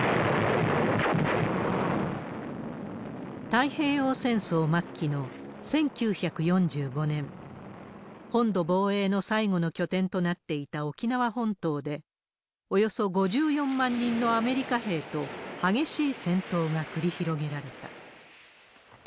太平洋戦争末期の１９４５年、本土防衛の最後の拠点となっていた沖縄本島で、およそ５４万人のアメリカ兵と、激しい戦闘が繰り広げられた。